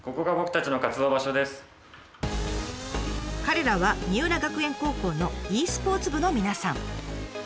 彼らは三浦学苑高校のｅスポーツ部の皆さん。